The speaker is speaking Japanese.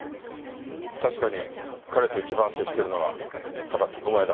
確かに彼と一番接してるのは榊お前だ。